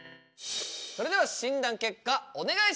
それでは診断結果お願いします！